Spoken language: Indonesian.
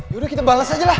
yaudah kita balas aja lah